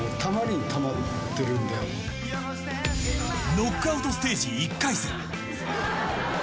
ノックアウトステージ１回戦。